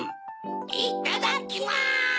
いっただきます！